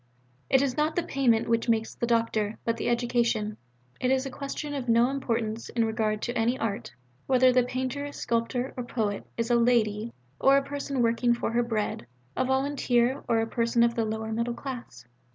It is not the payment which makes the doctor, but the education. It is a question of no importance in regard to any art, whether the painter, sculptor, or poet is a 'lady' or a person working for her bread, a volunteer, or a person of the 'lower middle class.'